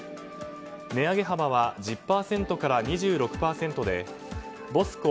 値上げ幅は１０％から２６％でＢＯＳＣＯ